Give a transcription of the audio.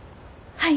はい。